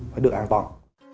phải được an toàn